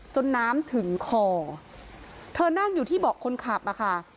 น้ำถึงคอเธอนั่งอยู่ที่เบาะคนขับอะค่ะ